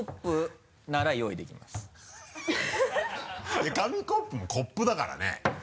いや紙コップもコップだからね。